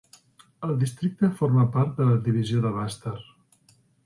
El districte forma part de la Divisió de Bastar.